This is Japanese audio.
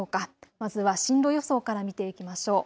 まずは進路予想から見ていきましょう。